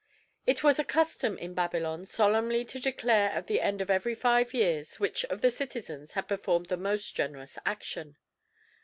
It was a custom in Babylon solemnly to declare at the end of every five years which of the citizens had performed the most generous action.